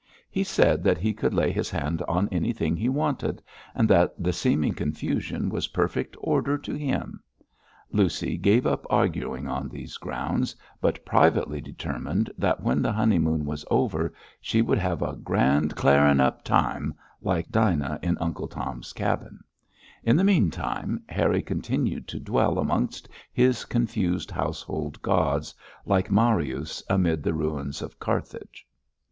He said that he could lay his hand on anything he wanted, and that the seeming confusion was perfect order to him. Lucy gave up arguing on these grounds, but privately determined that when the honeymoon was over she would have a grand 'clarin up' time like Dinah in Uncle Tom's Cabin. In the meanwhile, Harry continued to dwell amongst his confused household gods, like Marius amid the ruins of Carthage.